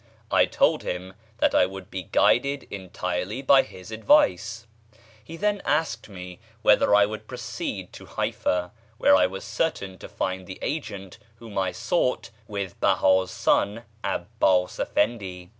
I told him that I would be guided entirely by his advice. He then asked me whether I would proceed to Haifá, where I was certain to find the agent whom I sought with Behá's son 'Abbás Efendí.